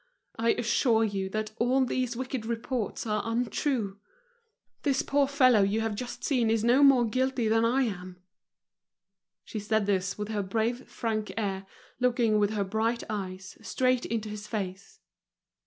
"I assure you that all these wicked reports are untrue. This poor fellow you have just seen is no more guilty than I am." She said this with her brave, frank air, looking with her bright eyes straight into his face.